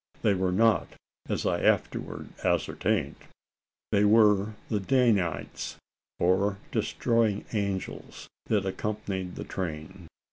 They were not as I afterwards ascertained. They were the Danites, or Destroying Angels, that accompanied the train.